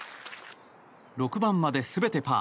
６番まで全てパー。